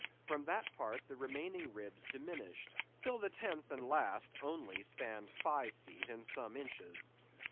From that part, the remaining ribs diminished, till the tenth and last only spanned five feet and some inches.